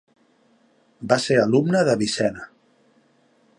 Va ser alumne d'Avicena.